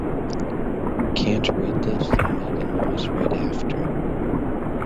Cant read this then make a noise right after.